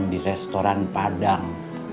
di restoran padang